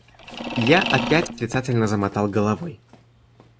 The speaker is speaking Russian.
Я опять отрицательно замотал головой.